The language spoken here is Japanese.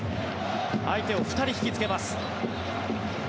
相手を２人引きつけます。